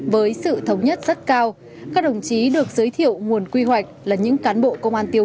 với sự thống nhất rất cao các đồng chí được giới thiệu nguồn quy hoạch là những cán bộ công an tiêu